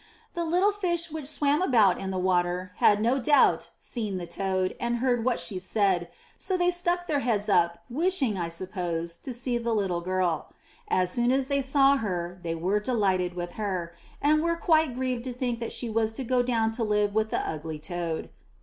The Httle fish which swam about in the water had no doubt seen the toad and heard what she said, so they stuck their heads up, wishing, I suppose, to see the Httle girl. As soon as they saw her, they were delighted with her, and were quite grieved to think that she was to go down to live with the ugly toad.